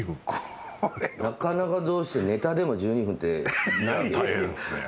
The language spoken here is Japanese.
なかなかどうしてネタでも１２分って。